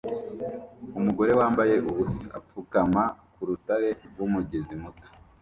Umugore wambaye ubusa apfukama ku rutare rw'umugezi muto